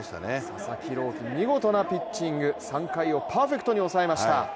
佐々木朗希、見事なピッチング、３回をパーフェクトに抑えました。